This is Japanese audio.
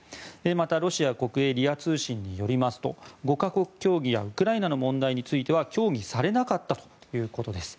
またロシア国営リア通信によりますと５か国協議やウクライナの問題については協議されなかったということです。